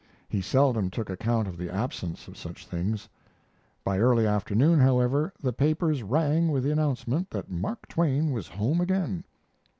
He seldom took account of the absence of such things. By early afternoon, however, the papers rang with the announcement that Mark Twain was home again.